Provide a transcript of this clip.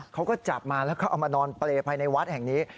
เขาก็จับมาแล้วเขาเอามานอนเปรย์ภายในวัดแห่งนี้